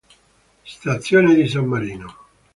Stazione di San Marino